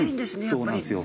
そうなんですよ。